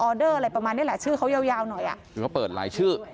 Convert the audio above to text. เดอร์อะไรประมาณนี้แหละชื่อเขายาวยาวหน่อยอ่ะคือเขาเปิดหลายชื่อ